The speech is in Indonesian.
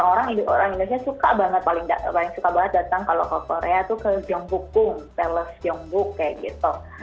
orang orang indonesia suka banget paling suka banget datang kalau ke korea tuh ke jongbukgung palace jongbuk kayak gitu